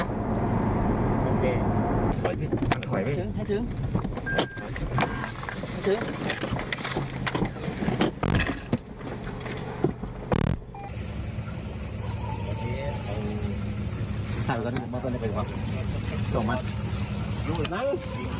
ให้ถึงให้ถึง